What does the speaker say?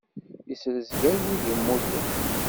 Isrezgay wid immuten.